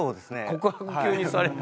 告白急にされて。